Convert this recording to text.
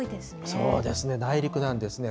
そうですね、内陸なんですね。